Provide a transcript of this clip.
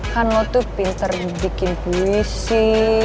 kan lo tuh pinter bikin puisi